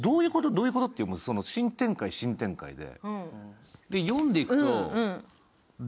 どういうこと？っていう新展開、新展開で。